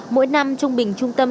mỗi năm trung bình trung tâm